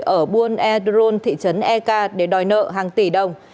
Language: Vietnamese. ở buôn e drôn thị trấn ek để đòi nợ hàng tỷ đồng